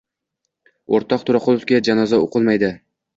— O’rtoq To‘raqulovga janoza o‘qilmaydi!